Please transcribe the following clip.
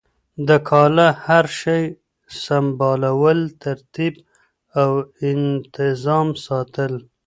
د کاله هر شی سمبالول ترتیب او انتظام ساتل